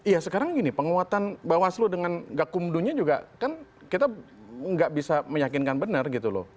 iya sekarang gini penguatan bawaslu dengan gakumdunya juga kan kita nggak bisa meyakinkan benar gitu loh